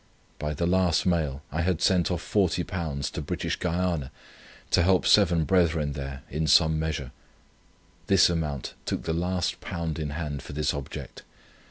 By the last mail I had sent off £40 to British Guiana, to help seven brethren there in some measure. This amount took the last pound in hand for this object.